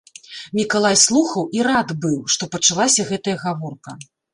Мікалай слухаў і рад быў, што пачалася гэтая гаворка.